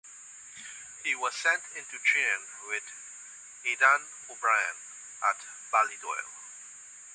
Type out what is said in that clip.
He was sent into training with Aidan O'Brien at Ballydoyle.